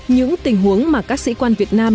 những tình huống mà các sĩ quan việt nam